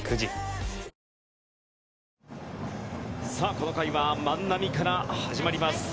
この回は万波から始まります。